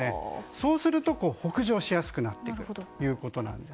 そうすると、北上しやすくなってくるということです。